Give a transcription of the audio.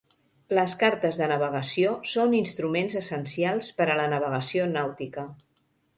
Les cartes de navegació són instruments essencials per a la navegació nàutica.